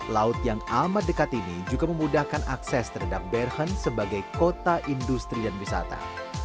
laut yang amat dekat ini juga memudahkan akses terhadap berhan sebagai kota industri dan wisata